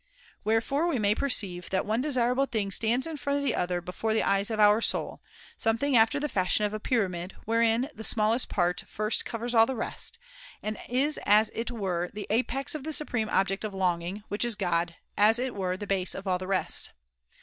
[^170] Wherefore we may perceive that one desirable thing stands in front of the other before the eyes of our soul, something after the fashion of a pyramid, wherein the smallest part first covers all the rest, and is as it were the apex of the supreme object of longing, which is God, as it were the base of all the rest.